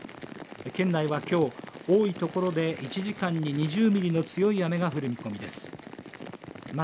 県内は、きょう多いところで１時間に２０ミリの強い雨が降る見込みです。